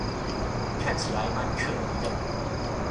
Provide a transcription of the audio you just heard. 看起來滿可疑的